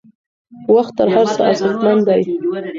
وخت تر هر څه ارزښتمن دی.